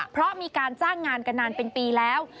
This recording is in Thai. เพราะมีการจ้างงานกันนานเป็นปีแล้ว